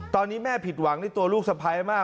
ตอนนี้แม่ผิดหวังในตัวลูกสะพ้ายมาก